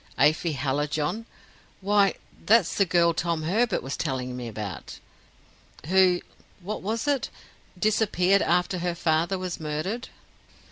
Afy Hallijohn? Why, that's the girl Tom Herbert was telling me about who what was it? disappeared after her father was murdered."